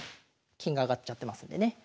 金が上がっちゃってますんでね。